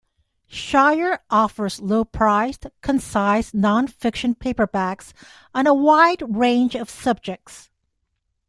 Shire offers low priced, concise non-fiction paperbacks on a wide range of subjects.